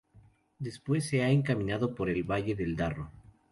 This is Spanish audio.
después se ha encaminado por el valle del Darro